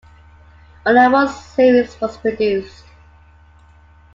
Only one series was produced.